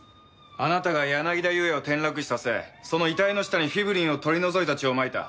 あなたが柳田裕也を転落死させその遺体の下にフィブリンを取り除いた血をまいた。